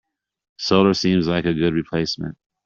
Solar seems like a good replacement.